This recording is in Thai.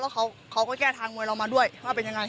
เขาก็แก้ทางมวยเรามาด้วยว่าเป็นยังไง